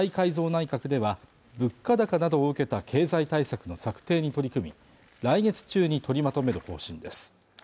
内閣では物価高などを受けた経済対策の策定に取り組み来月中に取りまとめる方針です